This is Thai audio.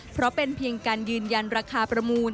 เพราะเป็นเพียงการยืนยันราคาประมูล